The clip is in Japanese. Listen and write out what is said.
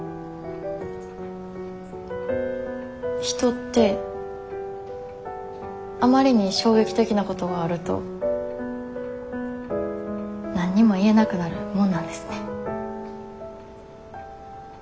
人ってあまりに衝撃的なことがあると何にも言えなくなるもんなんですね。